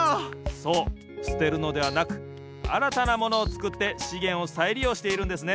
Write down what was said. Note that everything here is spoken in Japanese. そうすてるのではなくあらたなものをつくってしげんをさいりようしているんですね。